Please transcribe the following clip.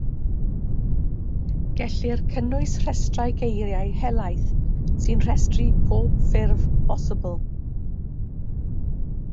Gellir cynnwys rhestrau geiriau helaeth sy'n rhestru pob ffurf bosibl.